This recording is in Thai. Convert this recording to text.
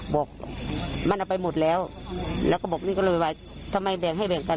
บอกมันเอาไปหมดแล้วแล้วก็บอกนี่ก็เลยว่าทำไมแบ่งให้แบ่งกัน